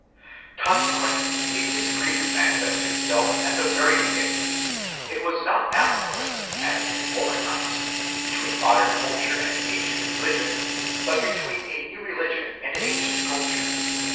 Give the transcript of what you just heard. Consequently a disagreement manifested itself at the very beginning ; it was not now, however, as in former times, be tween modern culture and an ancient religion, but between a new religion and ancient culture.